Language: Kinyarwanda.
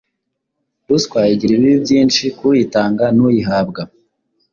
Ruswa igira ibibi byinshi k’uyitanga n’uyihabwa.